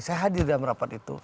saya hadir dalam rapat itu